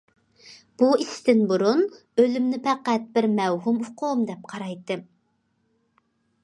بۇ ئىشتىن بۇرۇن ئۆلۈمنى پەقەت بىر مەۋھۇم ئۇقۇم دەپ قارايتتىم.